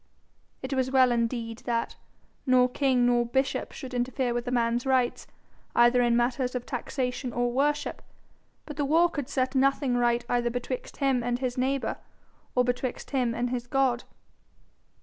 It was well indeed that nor king nor bishop should interfere with a man's rights, either in matters of taxation or worship, but the war could set nothing right either betwixt him and his neighbour, or betwixt him and his God.